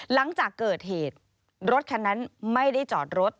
หลังจากเกิดเหตุรถคันนั้นไม่ได้จอดรถ